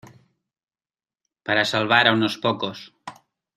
para salvar a unos pocos.